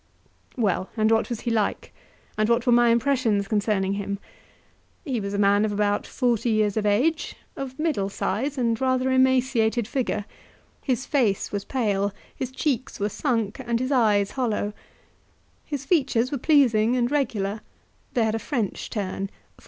Well, and what was he like? and what were my impressions concerning him? He was a man of about forty years of age, of middle size, and rather emaciated figure; his face was pale, his cheeks were sunk, and his eyes hollow; his features were pleasing and regular, they had a French turn (for M.